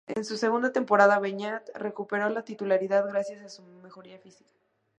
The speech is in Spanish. En su segunda temporada, Beñat recuperó la titularidad gracias a su mejoría física.